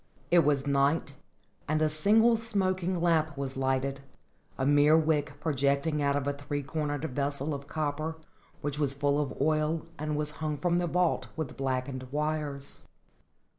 It was night and a single smoking lamp was lighted, a mere wick projecting out of a three cornered vessel of copper which was full of oil and was hung from the vault with blackened wires.